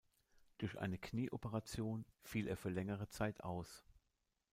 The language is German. Durch eine Knieoperation fiel er für längere Zeit aus.